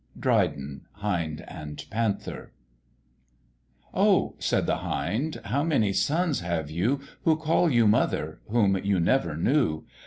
DRYDEN, Hind and Panther Oh, said the Hind, how many sons have you Who call you mother, whom you never knew!